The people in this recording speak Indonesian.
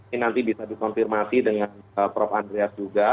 ini nanti bisa dikonfirmasi dengan prof andreas juga